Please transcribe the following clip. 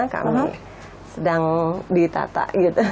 kami sedang ditata gitu